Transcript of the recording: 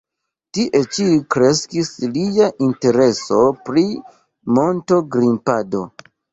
Tie ĉi kreskis lia intereso pri monto-grimpado.